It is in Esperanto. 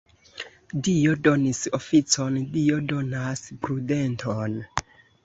Dio donis oficon, Dio donas prudenton.